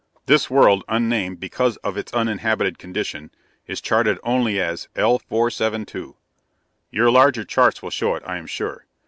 This world, unnamed because of its uninhabited condition, is charted only as L 472. Your larger charts will show it, I am sure.